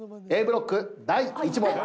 Ａブロック第１問。